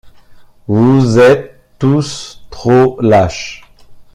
Vous êtes tous trop lâches.